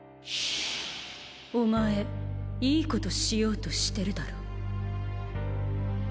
お前「いいこと」しようとしてるだろ？